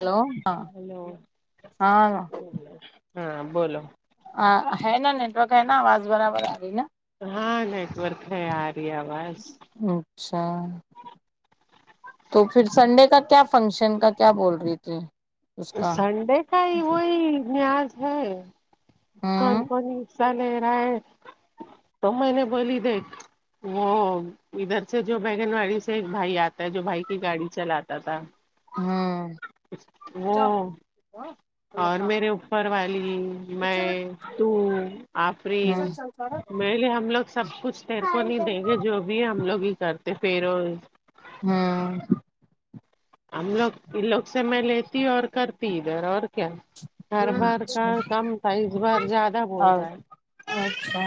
hello ہاں hello ہاں ہاں بولو ہے نا نیٹورک ہے نا آواز برابر آ رہی نا ہاں نیٹورک ہے آ رہی آواز اچھا تو پھر سنڈے کا کیا فنکشن کا کیا بول رہی تھی اس کا سنڈے کا ہی وہی نیاز ہے کون ہوں کون حصہ لے رہا ہے تو میں نے بولی دیکھ وہ ادھر سے جو بگن واڑی سے ایک بھائی آتا ہے جو بھائی کی گاڑی چلاتا تھا وہ ھمم اور میرے اوپر والی میں تو آفرین میرے لیے ہم لوگ سب کچھ تیر ے کو نہیں دیں گے جو بھی ہے ہم لوگ ہی کرتے فیروز ہاں ہم لوگ ان لوگ سے میں لیتی اور کرتی ادھر اور کیا ہر بار کا کم تھا اس بار زیادہ بول اچھا رہا ہے اچھا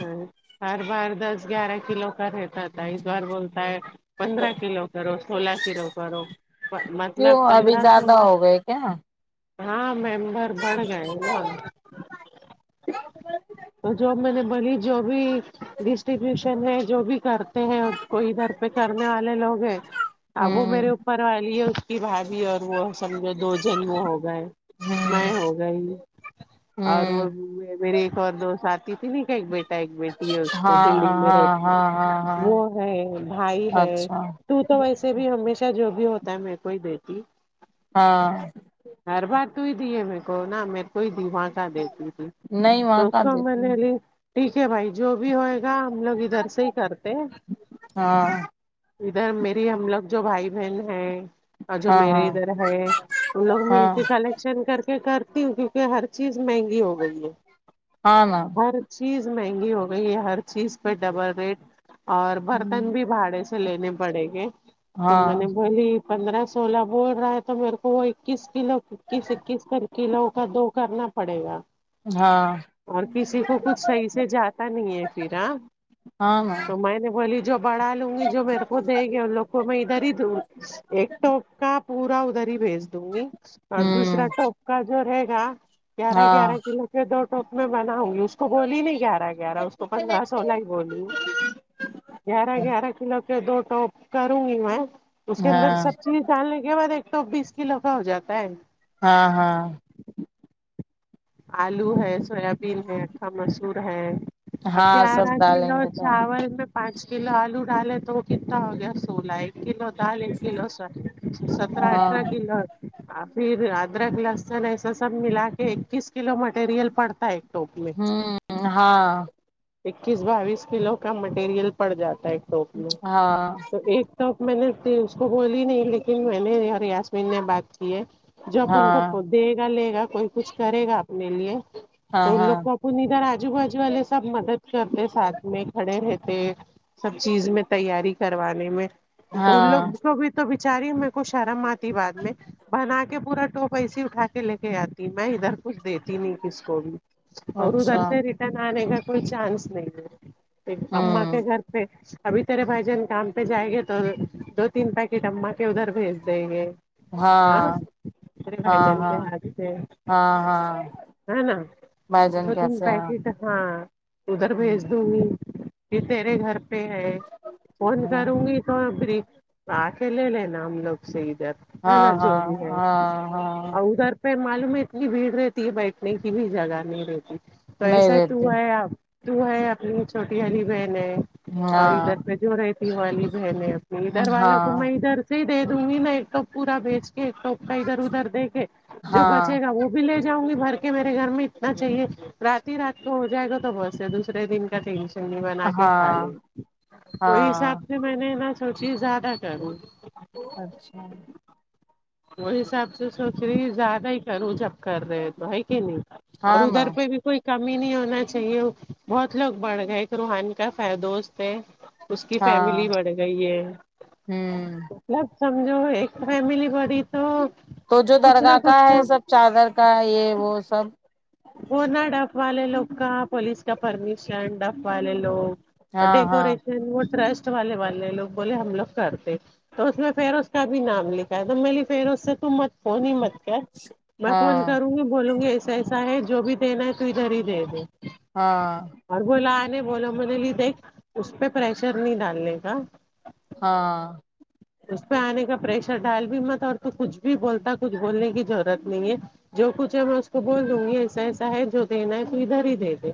ہاں ہر بار دس گیارہ کلو کا رہتا تھا اس بار بولتا ہے پندرہ کلو کرو سولہ کلو کرو کیوں مطلب ابھی پندرہ زیادہ سولہ ہو گئے کیا ہاں ممبر بڑھ گئے نا اور جو میں نے بولی جو بھی ڈسٹیبیوشن ہے جو بھی کرتے ہیں کو ادھر پہ کرنے والے لوگ ہیں اب وہ میرے اوپر والی ہے اس کی بھابی اور وہ سمجھو دو جن ہو گئے ہوں میں ہو گئی اور ہوں وہ میری ایک اور دوست آتی تھی نہ کہ ایک بیٹا ایک بیٹی ہے اس کو ہاں بلڈینگ میں ہاں رہتی ہے ہاں ہاں ہاں وہ ہے بھائی ہے اچھا تو تو ویسے بھی ہمیشہ جو بھی ہوتا ہے میں کو ہی دیتی ہاں ہر بار توہی دی ہے میں کو نہ میرے کو دی وہاں کا دیتی تھی نہیں وہاں کہاں دیتی [unintelligible] ٹھیک ہے بھائی جو بھی ہوئے گا ہم لوگ ادھر سے ہی کرتے ہیں ہاں ادھر میری ہم لوگ جو بھائی بہن ہیں اور جو ہاں میرے ہاں ادھر ہے ان لوگ مل ہاں کر کلکٹ شن کر کے کرتی ہوں کیونکہ ہر چیز مہنگی ہو گئی ہے ہاں نا ہر چیز مہنگی ہو گئی ہے ہر چیز پر ڈبل ریٹ اور ہوں برتن بھی بھاڑے سے لینے پڑیں گے تو میں ہاں نے بولی پندرہ سولہ بول رہا ہے تو میرے کو وہ اکیس کلو اکیس اکیس کلو کا دو کرنا پڑے گا ہاں اور کسی کو کچھ صحیح سے جاتا نہیں ہے پھر ہاں ہاں تو میں نے بولی جو بڑھالوںگی جو میرے کو دے گے ان لوگ کو میں ادھر ہیدونگی ایک ٹپ کا پورا ادھر ہی بھیج دونگی ن اور دوسرا ہوں ٹپ کاجو رہے گا گیارہ ہاں گیارہ کیلوکے دو ٹوپ میں بناؤں گی اس کو بولی نہیں گیارہ گیارہ اس کو پندرہ سولہ ہی بولی گیارہ گیارہ کیلو کے دو ٹوپ کرونگی میں اس کے اندر ہاں سب چیز ڈالنے کے بعد ایک ٹوپ بیس کیلو کا ہو جاتا ہے ہاں ہاں آلو ہے سویابین ہےاٹھا مسور ہے اب ہاں سب گیارہ ڈالیں کیلو گے تو چاول میں پانچ کیلو آلو ڈالے تو وہ کتنا ہو گیا سولہ ایک کیلو دال ایک کیلو سر سترہ ہاں اٹھارہ کیلو اور پھر ادرک لیسن ایسا سب ملا کے اکیس کیلو مٹیریل پڑتا ہےایک ٹوپ میں ہوں ہاں اکیس باویس کیلو کا مٹیریل پڑ جاتا ہے ٹوپ میں ہاں تو ایک تو میں نے اس کو بولی نہیں لیکن میں نے اور یاسمین نے بات کیے جب ان ہاں کو دیگا لیگا کوئی کچھ کریگا اپنے لیے ہاں تو ان لوگ ہاں کو ادھر اذو باذو والے سب مدد کرتے ساتھ میں کھڑے رہتے سب چیز میں تیاری کروانے میں تو ان لوگ ہاں کو بھی تو بچاری میں کو شرم آتی بعد میں بناکے پورا ٹوپ ایسے اٹھا کے لکے آتی میں ادھر کچھ دیتی نہیں کس کو بھی اور ادھر اچھا سے ریٹن آنے کا کوئی چانس نہیں ہے امماں ہوں کے گھر پہ ابھی تیرے بھائی جان کام پہ جائیں گے تو دو تین پاکیٹ امما کے ادھر بھیج دینگے ہاں تیرے بھائی ہاں جان کے ہاں ہاتھ سے ہاں ہاں ہاں نا بھجن دو تین کیسے ہیں پاکیٹ ہاں ادھر بھیج دونگی یہ تیرے گھر پہ ہے فون کرونگی [unintelligible] آ کے لے لینا ہم لوگ سے ادھر ہے ہاں نا جو بھی ہاں ہے ہاں ہاں اور ادھر پھر معلوم ہے اتنی بھیڑ رہتی ہے بیٹھنے کی بھی جگہ نہیں رہتی تو نہیں ایسا رہتے تو ہے اب تو ہے اپنی چھوٹی والی بہن ہے اور ہاں ادھر پے جو رہتی وہ والی بہن ہے ادھر والوں کو ہاں میں ادھر سے ہی دے دوں گی میں ایک ٹوپ پورا بیچ کے سب کا ادھر ادھر دیکے جو ہاں بچے گا وہ بھی لے جاؤں گی بھر کے میرے گھر میں اتنا چاہیے رات ہی رات کو ہو جائے گا تو بس ہے دوسرے دن کا ٹینشن بنا کے کھا ہاں لے وہی ہاں حساب سے میں نے نہ سوچی زیادہ کروں اچھا وہ حساب سے سوچ رہی زیادہ ہی کروں جب کر رہےہیں تو ہے کہ نہیں اور ہاں ادھر نا پہ بھی کوئی کمی نہیں ہونا چاہیے بہت لوگ بڑھ گئے کر روحان کا دوست ہے اس کی ہاں فیملی بڑھ گئی ہے ہوں مت سمجھو ایک فیملی بڑھی تو تو جو کچھ نہ درگاہ کا کچھ ہے تو سب چادر کا ہے یہ وہ سب وہ نا دف والے لوگ کا پولیس کا پرمیشن دف والے لوگ اور ہاں ہاں ڈیکوریشن وہ ٹرسٹ والے والے لوگ بولے ہم لوگ کرتے تو اس میں فیروز کا بھی نام لکھا ہے تو میں بولی فیروز سے تم مت فون ہی مت کر میں فون ہاں کروں گی بولوں گی حصہ ہے جو بھی دینا ہے تو ادھر ہی دے دے ہاں اور بولا آ نے بولو میں نےبولی دیکھ اس پہ پریشر نہیں ڈالنے کا ہاں اس پہ آنے کا پریشر ڈال بھی مت اور تو کچھ بھی بولتا کچھ بولنے کی ضرورت نہیں ہے جو کچھ ہے میں اس کو بول لوں گی ایسا ایسا ہے جو دینا ہے تو ادھر ہی دے دے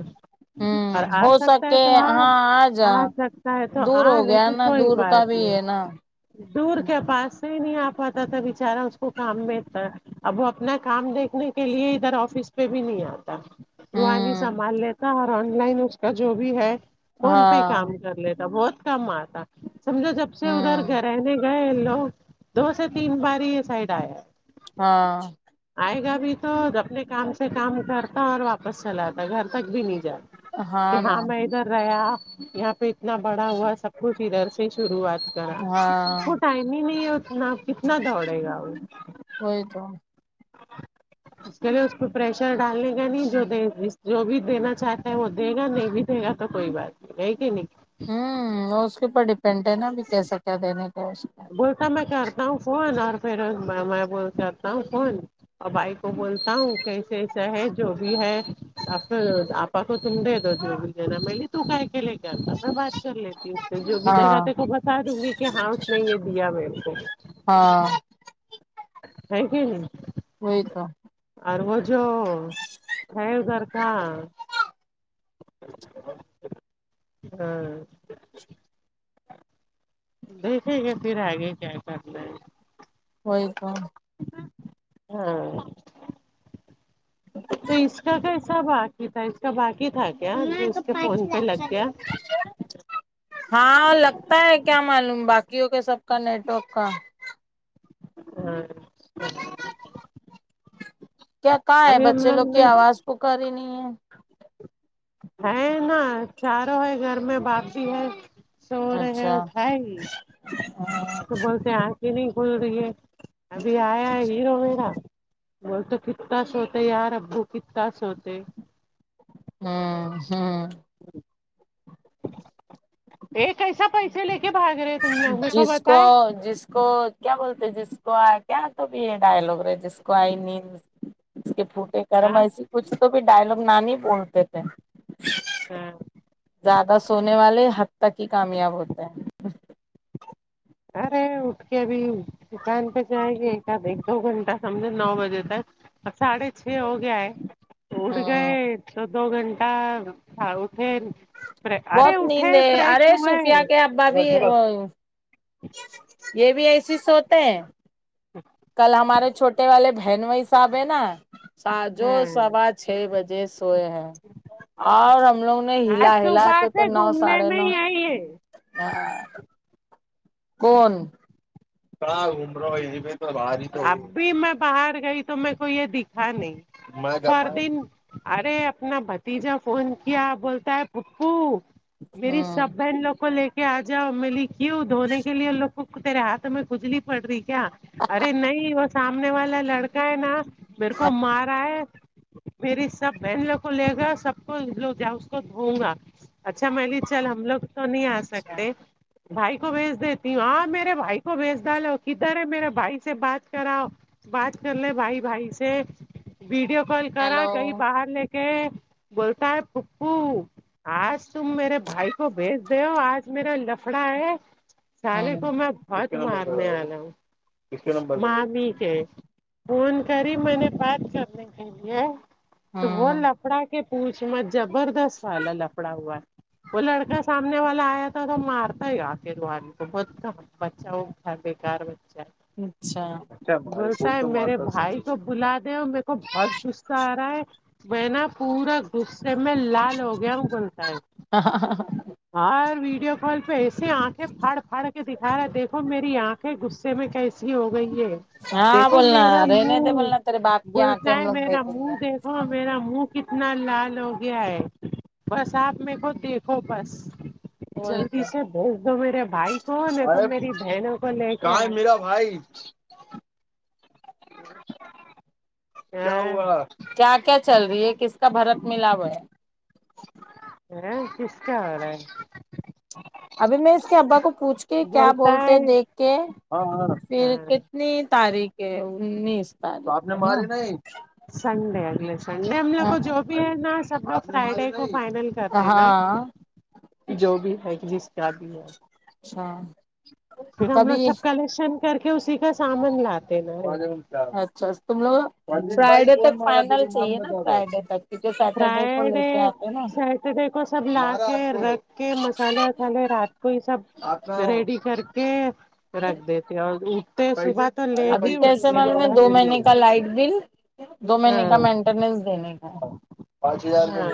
اور ہوں آ ہو سکتا ہے سکے تو آ ہاں جا آ سکتا ہے تو آ نہیں تو کوئی بات نہیں ہے نا دور کیا پاس سے ہی نہیں آ پاتا تھا بچارا اس کو کام میں اب وہ اپنا کام دیکھنے کے لیے ادھر آفس پہ بھی نہیں آتا روحان ھی ہوں سنبھال لیتا اور آن لائن اس کا جو بھی ہے فون پہ ہی ہاں کام کر لیتا بہت کم آتا سمجھو جب سے ادھر ہوں رہنے گئے لوگ دو سے تین بار یہ سائڈ آیا ے ہاں آئے گا بھی تو اپنے کام سے کام کرتا اور واپس چلاجاتا گھر تک بھی نہیں جاتا ہاں نا [unintelligible] ادھر رہا یہاں پہ اتنا بڑا ہوا سب کچھ ادھر سے شروعات کرا ہاں نہیں نہیں یہ اتنا کتنا دوڑے گا وہ وہی تو پہلے اس کو پریشر ڈالنے کا نہیں جو جو بھی دینا چاہتا ہے وہ دے گا نہیں بھی دے گا تو کوئی بات نہیں ہے کہ نہیں ہمم وہ اس کے اوپر ڈیپینڈ ہے نا ابھی کیسا کیا دینے کا اس کو بولتا میں کرتا ہوں فون اور پھر میں مہ کرتا ہوں فون اور بھائی کو بولتا ہوں کیسے ایسا ہے جو بھی ہے [unintelligible] [unintelligible] میں بات کر لیتی ہوں اس سے جو بھی دے گا ہاں تیرے کو بتا دوں گی کہ ہاں اس نے یہ دیا [unintelligible] ہاں ہے کے نہیں وہی تو اور وہ جو ہے ادھر کا ہاں دیکھے گے پھر آگے کیا کر تے ہے وئی تو ہاں تو اس کا کیا حساب آخر اس کا باقی تھا کیا اس کے فون پہ لگ گیا ہاں لگتا ہے کیا معلوم باقیوں کے سب کا نیٹ ورک کا ہاں کیا کہاں ہے ابھی ہم بچے لوگ کی نے آواز پکار ہی نہیں ہے ہے نا چاروں ہے گھر میں باجی ہے سو رہے ہے اچھا اٹھائے نہیں تو بولتے ہیں آنکھیں نہیں کھول رہی ہے ابھی آیا ہے ہیرو میرا بول تو کتنا سوتے یار ابو کتنا سوتے ہاں ہاں یہ کیسا پیسے لے کے بھاگ رہے تم لوگوں کو جس پتہ ہے جس کو کیا بولتے جس کو آ گیا تو بھی ڈائل ہو گے جس کو آئے نہیں اس کے پھوٹے کرم ہاں ایسی کچھ تو بھی ڈائلگ نانی بولتے تھے ہاں زیادہ سونے والے حد تک ہی کامیاب ہوتے ہیں ارے اٹھ کے ابھی دکان پہ جاے گی ایک دو گھنٹہ سمجھو نو بجے تک اب ساڑھے چھ ہو گیا ہے اٹھ گئے ہوں تو دو گھنٹہ تھا اٹھے ارے بہت اٹھے نیند ہے فریش ارے ہوئے صوفیا کے ابا بھی وہ یہ بھی ایسی سوتے ہیں اچ کل ہمارے چھوٹے والے بہنوئی صاحب ہیں نا سا جو ہیں سوا چھ بجے سوئے ہیں اور ہم لوگ نے آج ہلا ہلا صبح کہ تو سے نو گھومنے ساڑے میں نو ہی آئی ہے کون کہاں گھوم رہا ہو ں یہی پہ تھا باہر تھا اب بھی میں باہر گئی تو میکو یہ دکھا نہیں [unintelligible] ارے اپنا بھتیجا فون کیا بولتا ہے پھوپو میری ہوں سب بہن لوگ کو لے کے آ جاؤ میں بولی کیوں دھونے کے لیے ان لوگ کو تیرے ہاتھ میں کھجلی پڑ رہی کیا ارے نہیں وہ سامنے والا لڑکا ہے نا میرے کومارا ہے میری سب بہن لوگ کو لےگئے اور سب لوگ جاؤ اس کو دھوؤں گا اچھا میں بولی چل ہم لوگ تو نہیں آ سکتے بھائی کو بھیج دیتی ہوں ہاں میرے بھائی کو بیچ ڈالو کدھر ہے میرے بھائی سے بات کراؤ بات کر لے بھائی بھائی سے ویڈیو کال کرا ہیلو کہیں باہر لے کے بولتا ہے پھوپو آج تم میرے بھائی کو بھیج دو آج میرا لفڑا ہے سالے کو ہوں میں بہت مارنے والا ہوں مامی کے فون کری میں نے بات کرنے کے لیے ہاں کپڑا کے پوچھ مت زبردست سالا لف کپڑا ہوا ہے وہ لڑکا سامنے والا آیا تھا تو مارتا ہی آخر وہ آدمی کو بچہ وہ تھا بےکار بچہ اچھا جب بولتا ہے میرے بھائی کو بلا دے اور میرے کو بہت غصہ آ رہا ہے میں نا پورا غصے میں لال ہو گیا ہوں بولتا ہے ہاں ہاں ہاں ہاں ہاں ویڈیو کال پہ ایسے آنکھیں پھاڑ پھاڑ کے دی ارا دیکھو میری آنکھیں غصے میں کیسی ہو گئی ہے ہاں دیکھو بولنا میرا منہ رہنے دے منہ بولنا تیرے باپ کی آنکھیں بولتا ہم ہے لوگ میرا دیکھ رہی ہے منہ دیکھ ہاں میرا منہ کتنا لال ہو گیا ہے بس آپ میں کو دیکھ ہو بس وہی جلدی تو سے بھیج دو میرے بھائی کو [unintelligible] [unintelligible] کیا کیا چل رہی ہے کس کا بھرت ملا ہوا ہے [unintelligible] ابھی میں اس کے ابا کو پوچھکے کیا بولتا بولتے ہے ہیں دیکھتے ہیں ہاں ہاں پھر ہاں نی تاریخ ہے انیس تو تاریخ آپ نے کو ماری نا نہیں سنڈے اگل سنڈے نا سب کو فرائیڈے کو فائنل کر دینا ہاں جو بھی ہے جس کا بھی ہے اچھا پھر ہم لوگ کبھی سب کلیکشن کر کے اسی کا سامان لاتے ہے اچھا اچھا تم لوگ پ [unintelligible] بھائی فرائیڈے کون تک مارا تے فائنل کو نام چاہیے نا بتا رہا فرائیڈے تک کیونکہ سیٹرڈے کو لے فرائیڈے کے آتے ہیں نا سن دیکھو سب لا کے رکھ کے مسالے وسالے رات کو یہ سب رے ڈی کر کے رکھ دیتے اور دود توصبح تو لیٹ ابھی ہی کیسے اٹھتی معلوم ہے دو مہینے کا لائٹ بل دو مہینے مینٹنیس بنے گا پانچ ہزار لو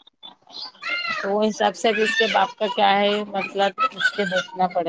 چ تو وہ حساب سے اب اس کے باپ کا کیا ہے یہ مسئلہ اس کے دیکھنا پڑے گا